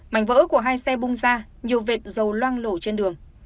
mảnh vỡ của hai xe bung ra nhiều vệt dầu loang lộ trên đường